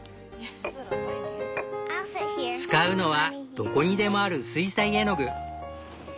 使うのはどこにでもある水彩絵の具。